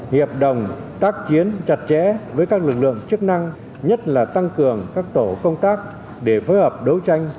hiệp đồng tác chiến chặt chẽ với các lực lượng chức năng nhất là tăng cường các tổ công tác để phối hợp đấu tranh